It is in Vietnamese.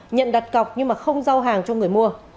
nhận đặt cọc nhưng mà không giao hàng cho người mua